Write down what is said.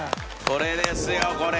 これですよこれ！